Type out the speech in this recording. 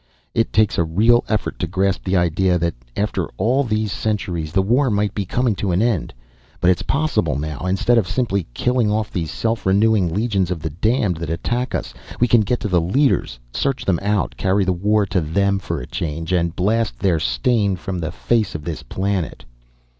"It takes a real effort to grasp the idea that, after all these centuries, the war might be coming to an end. But it's possible now. Instead of simply killing off these self renewing legions of the damned that attack us, we can get to the leaders. Search them out, carry the war to them for a change and blast their stain from the face of this planet!"